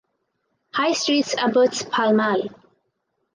High street abuts Pall Mal.